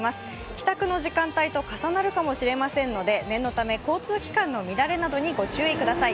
帰宅の時間帯と重なるかもしれませんので念のため交通機関の乱れにご注意ください。